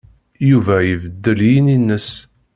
Yuba ibeddel yini-nnes.